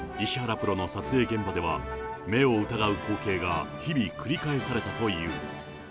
プロの撮影現場では、目を疑う光景が日々繰り返されたという。